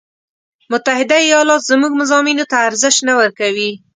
متحده ایالات زموږ مضامینو ته ارزش نه ورکوي.